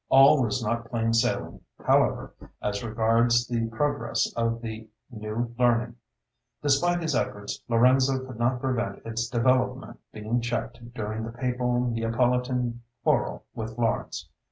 All was not plain sailing, however, as regards the progress of the "New Learning." Despite his efforts, Lorenzo could not prevent its development being checked during the papal Neapolitan quarrel with Florence.